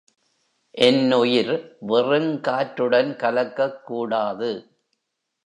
என் உயிர் வெறுங் காற்றுடன் கலக்கக் கூடாது.